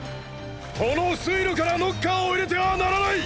この水路からノッカーを入れてはならない！！